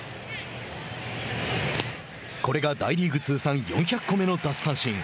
これが大リーグ通算４００個目の奪三振。